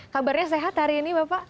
kabarnya sehat hari ini bapak